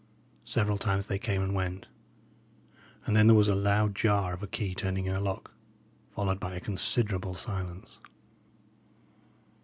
Several times they came and went; and then there was a loud jar of a key turning in a lock, followed by a considerable silence.